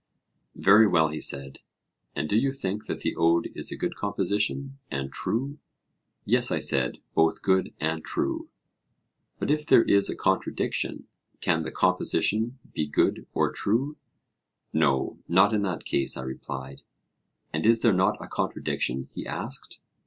Very well, he said. And do you think that the ode is a good composition, and true? Yes, I said, both good and true. But if there is a contradiction, can the composition be good or true? No, not in that case, I replied. And is there not a contradiction? he asked.